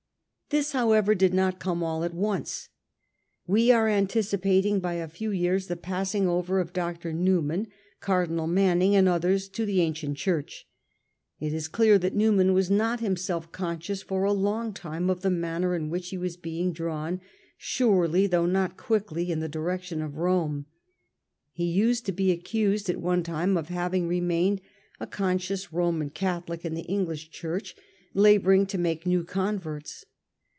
This, however, did not come all at once. We are anticipating by a few years the passing over of Dr. Newman, Cardinal Manning and others to the an cient Church. It is clear that Newman was not him self conscious for a long time of the manner in which he was being drawn, surely although not quickly, in the direction of Rome. He used to be accused at one time of having remained a conscious Roman Catholic in the English Church, labouring to make new converts.